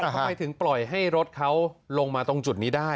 ทำไมถึงปล่อยให้รถเขาลงมาตรงจุดนี้ได้